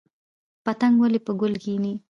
پتنګ ولې په ګل کیني؟